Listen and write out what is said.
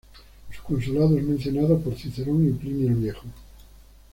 Su consulado es mencionado por Cicerón y Plinio el Viejo.